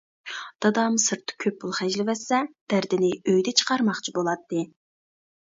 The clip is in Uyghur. دادام سىرتتا كۆپ پۇل خەجلىۋەتسە، دەردىنى ئۆيدە چىقارماقچى بولاتتى.